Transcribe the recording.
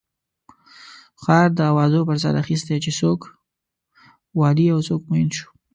ښار د اوازو پر سر اخستی چې څوک والي او څوک معین شو.